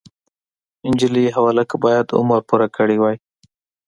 نجلۍ او هلک باید عمر پوره کړی وای.